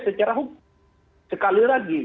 secara hoax sekali lagi